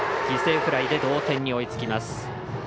犠牲フライで同点に追いつきます。